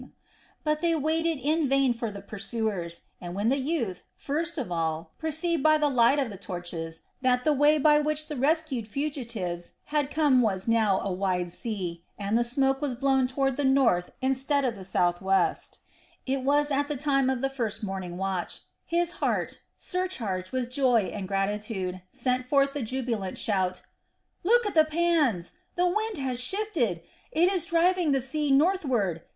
But they waited in vain for the pursuers, and when the youth, first of all, perceived by the light of the torches that the way by which the rescued fugitives had come was now a wide sea, and the smoke was blown toward the north instead of toward the southwest it was at the time of the first morning watch his heart, surcharged with joy and gratitude, sent forth the jubilant shout: "Look at the pans. The wind has shifted! It is driving the sea northward.